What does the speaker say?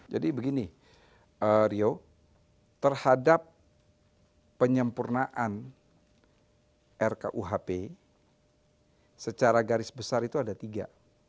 jadi begini rio terhadap penyempurnaan rkuhp secara garis besar itu ada tiga